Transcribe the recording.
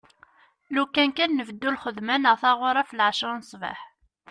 Lukan kan nbeddu lxedma neɣ taɣuri ɣef lɛecra n sbeḥ.